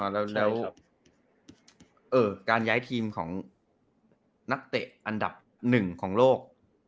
แล้วการย้ายทีมของนักเตะอันดับหนึ่งของโลก